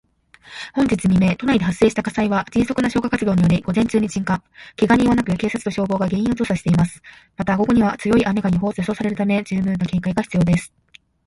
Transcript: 本日未明、都内で発生した火災は、迅速な消火活動により午前中に鎮火。けが人はなく、警察と消防が原因を調査しています。また、午後には強い雨が予想されるため、十分な警戒が必要です。